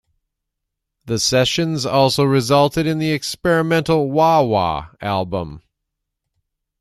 The sessions also resulted in the experimental "Wah Wah" album.